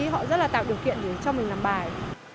họ rất là tạo điều kiện để cho mình làm bài